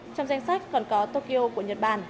trong danh sách còn có tokyo của nhật bản